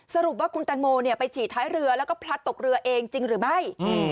สรุปว่าคุณแตงโมไปฉี่ท้ายเรือแล้วก็พลัดตกเรือเองจริงหรือไม่